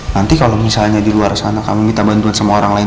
nanti kalau misalnya di luar sana kami minta bantuan sama orang lain